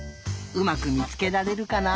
うまくみつけられるかな？